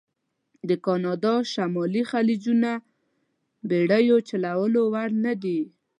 د کانادا شمالي خلیجونه بېړیو چلولو وړ نه دي.